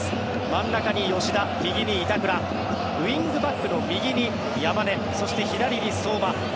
真ん中に吉田、右に板倉ウィングバックの右に山根そして左に相馬。